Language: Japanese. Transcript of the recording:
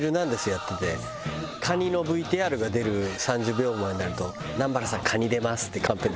やっててカニのＶＴＲが出る３０秒前になると「南原さんカニ出ます」ってカンペ出る。